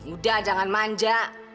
udah jangan manja